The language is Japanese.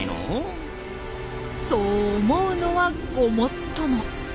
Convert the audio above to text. そう思うのはごもっとも。